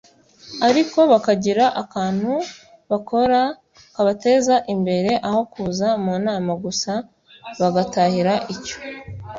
ariko bakagira akantu bakora kabateza imbere aho kuza mu nama gusa bagatahira icyo